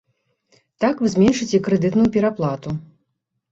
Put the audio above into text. Так вы зменшыце крэдытную пераплату.